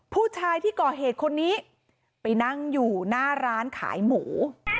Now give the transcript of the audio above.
ผู้ชายที่ก่อเหตุคนนี้ไปนั่งอยู่หน้าร้านขายหมู